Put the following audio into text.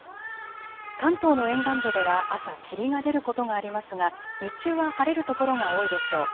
関東の沿岸部では朝、霧が出ることがありますが日中は晴れる所が多いでしょう。